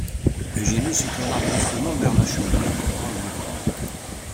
Eugénie se tourna brusquement vers la cheminée pour prendre les flambeaux.